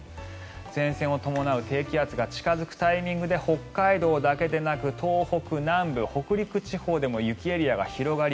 前線を伴う低気圧が近付くタイミングで北海道だけでなく東北南部、北陸地方でも雪エリアが広がり